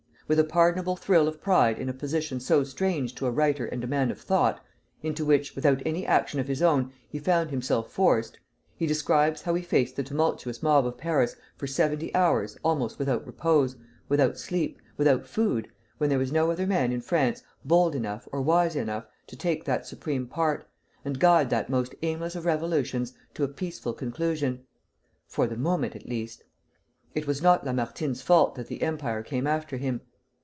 With a pardonable thrill of pride in a position so strange to a writer and a man of thought, into which, without any action of his own, he found himself forced, he describes how he faced the tumultuous mob of Paris for seventy hours almost without repose, without sleep, without food, when there was no other man in France bold enough or wise enough to take that supreme part, and guide that most aimless of revolutions to a peaceful conclusion, for the moment, at least. It was not Lamartine's fault that the Empire came after him.